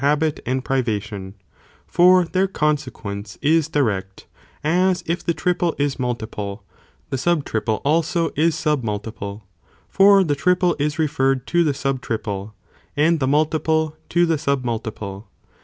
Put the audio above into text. Rela habit and privation, for their consequence is di rect, as if the triple is multiple, the sub triple also is sub multiple, for the triple 18 referred to the sub triple, and the multiple to the sub multiple.